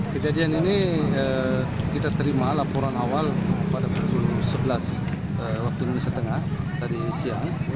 kejadian ini kita terima laporan awal pada pukul sebelas waktu indonesia tengah tadi siang